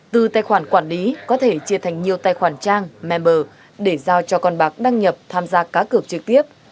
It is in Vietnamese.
từ tài khoản quản lý có thể chia thành nhiều tài khoản trang member để giao cho con bạc đăng nhập tham gia cá cược trực tiếp